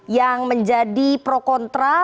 yang menjadi pro kontra